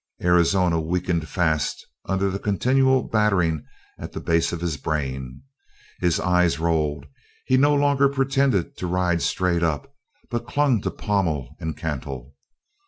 Arizona weakened fast under that continual battering at the base of his brain. His eyes rolled. He no longer pretended to ride straight up, but clung to pommel and cantle.